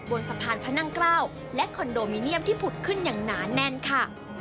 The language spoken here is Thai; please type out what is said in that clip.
บนสะพานพระนั่งเกล้าและคอนโดมิเนียมที่ผุดขึ้นอย่างหนาแน่นค่ะ